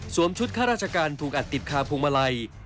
ชุดข้าราชการถูกอัดติดคาพวงมาลัย